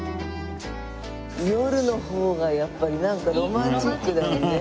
夜の方がやっぱりなんかロマンチックだもんね。